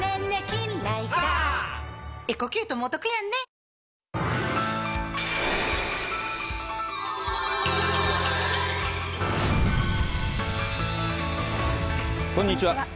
一方、こんにちは。